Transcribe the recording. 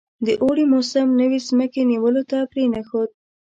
د اوړي موسم نوي مځکې نیولو ته پرې نه ښود.